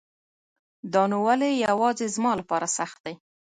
دا نو ولی يواځي زما لپاره سخت دی